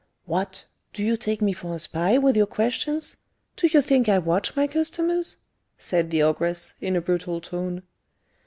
"What! do you take me for a spy, with your questions? Do you think I watch my customers?" said the ogress, in a brutal tone.